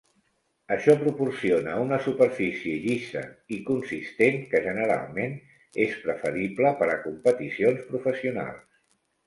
Això proporciona una superfície llisa i consistent, que generalment és preferible per a competicions professionals.